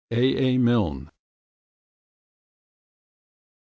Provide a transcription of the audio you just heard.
A. A. MILNE.